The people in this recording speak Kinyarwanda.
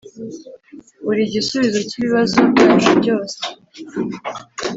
uri igisubizo cyibibazo byacu byose.